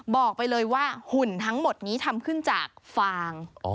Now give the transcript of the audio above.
บอกไปเลยว่าหุ่นทั้งหมดนี้ทำขึ้นจากฟาง